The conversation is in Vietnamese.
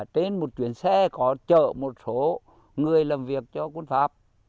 trên một chuyến xe có chở một số người làm việc cho quân pháp